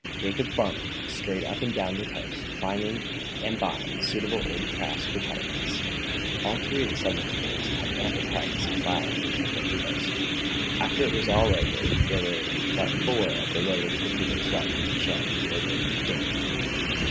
Jacob Farnum scurried up and down the coast, finding and buying suitable old craft for targets. All three of the submarine boys had ample practice in the firing of torpedoes. After it was all over there were but four of the loaded torpedoes left in the shed labeled "Danger."